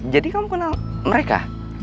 jadi kamu kenal mereka